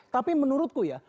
tapi menurutku ya